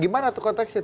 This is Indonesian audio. gimana tuh konteksnya